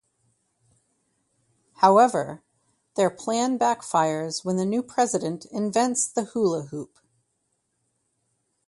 However, their plan backfires when the new president invents the hula hoop.